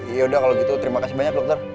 yaudah kalau gitu terima kasih banyak dokter